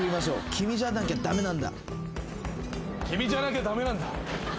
「君じゃなきゃ駄目なんだ」